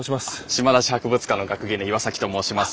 島田市博物館学芸員の岩と申します。